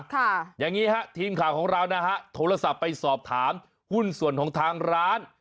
อย่างนี้ฮะทีมข่าวของเรานะฮะโทรศัพท์ไปสอบถามหุ้นส่วนของทางร้าน